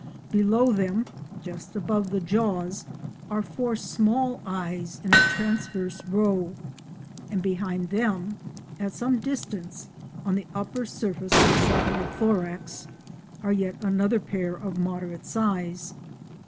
Below them, just above the jaws, are four small eyes in a transverse row, and behind them at some distance, on the upper surface of the cephalothorax, are yet another pair of moderate size.